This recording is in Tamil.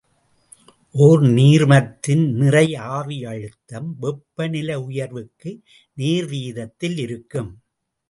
ஓர் நீர்மத்தின் நிறையாவியழுத்தம் வெப்பநிலை உயர்வுக்கு நேர்வீதத்தில் இருக்கும்.